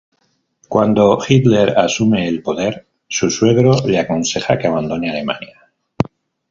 Cuando Hitler asume el poder, su suegro le aconseja que abandone Alemania.